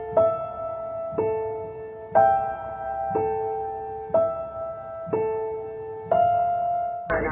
วิธีนักศึกษาติธรรมชาติ